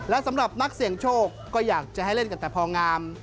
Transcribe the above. และสำหรับนักเสี่ยงโชคก็อยากจะให้เล่นกันแต่พองาม